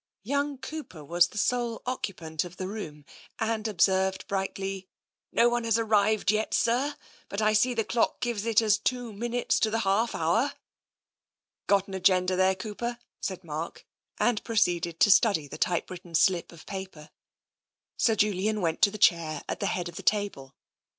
Young Cooper was the sole occupant of the room, and observed brightly, " No one has arrived yet, sir, but I see the clock gives it as two minutes to the half hour." "Got an agenda there, Cooper?" said Mark, and proceeded to study the typewritten slip of paper. 22 TENSION Sir Julian went to the chair at the head of the table.